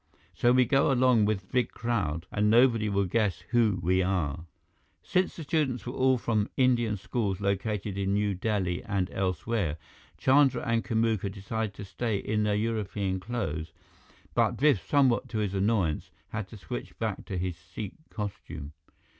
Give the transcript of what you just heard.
So we go along with big crowd, and nobody will guess who we are." Since the students were all from Indian schools located in New Delhi and elsewhere, Chandra and Kamuka decided to stay in their European clothes; but Biff, somewhat to his annoyance, had to switch back to his Sikh costume.